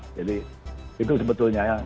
jadi itu sebetulnya ya